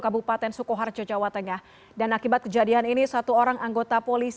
baik pak iqbal